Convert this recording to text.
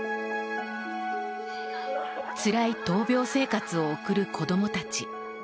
つらい闘病生活を送る子供たち。